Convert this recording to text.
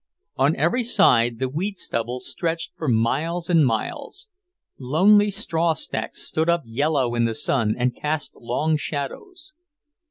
On every side the wheat stubble stretched for miles and miles. Lonely straw stacks stood up yellow in the sun and cast long shadows.